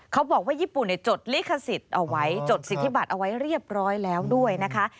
เขาบอกว่าญี่ปุ่นเนี่ยจดลิขสิทธิบัตรเอาไว้เรียบร้อยแล้วด้วยนะคะ